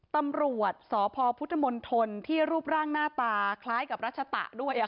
ตำรวจสพพุทธมนตรที่รูปร่างหน้าตาคล้ายกับรัชตะด้วย